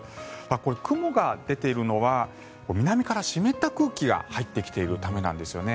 これ、雲が出ているのは南から湿った空気が入ってきているためなんですね。